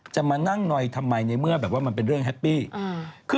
จะมานั่งหน่อยทำไมในเมื่อแบบว่ามันเป็นเรื่องแฮปปี้